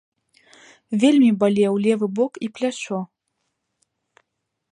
Вельмі балеў левы бок і плячо.